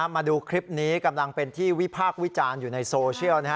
มาดูคลิปนี้กำลังเป็นที่วิพากษ์วิจารณ์อยู่ในโซเชียล